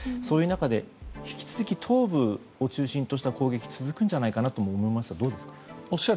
そういう中で引き続き、東部を中心とした攻撃が続くんじゃないかなとも思いますが、どうですか。